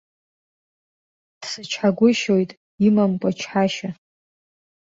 Дсычҳагәышьоит, имамкәа чҳашьа.